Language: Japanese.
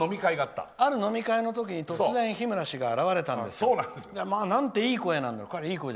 ある飲み会の時に突然、日村氏が現れたの。なんていい声なんだと。